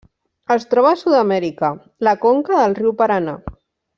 Es troba a Sud-amèrica: la conca del riu Paranà.